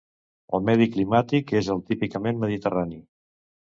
El medi climàtic és el típicament mediterrani.